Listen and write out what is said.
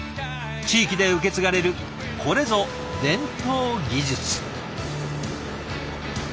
地域で受け継がれるこれぞ伝統技術。